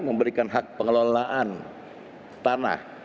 memberikan hak pengelolaan tanah